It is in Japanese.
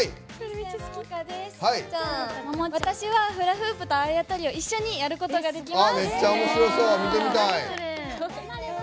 私はフラフープとあやとりと一緒にやることができます。